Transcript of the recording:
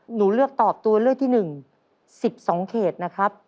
หนูเลือกตอบตัวเลือกที่๑๑๒เขตนะครับ